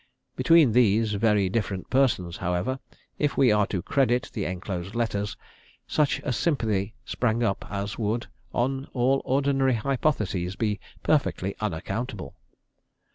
Between these very different persons, however, if we are to credit the enclosed letters, such a "sympathy" sprang up as would, on all ordinary hypotheses, be perfectly unaccountable.